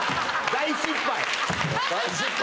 大失敗？